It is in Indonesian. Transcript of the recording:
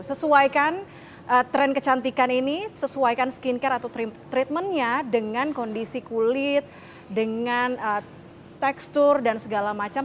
sesuaikan tren kecantikan ini sesuaikan skincare atau treatmentnya dengan kondisi kulit dengan tekstur dan segala macam